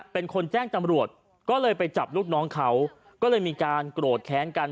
เป็นคนแจ้งตำรวจก็เลยไปจับลูกน้องเขาก็เลยมีการโกรธแค้นกัน